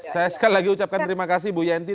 saya sekali lagi ucapkan terima kasih bu yenty